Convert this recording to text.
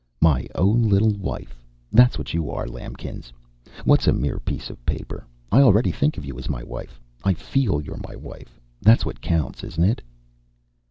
"My own little wife! That's what you are, lambkins! What's a mere piece of paper? I already think of you as my wife. I feel you're my wife. That's what counts, isn't it?"